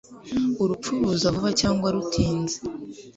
Urupfu ruza vuba cyangwa rutinze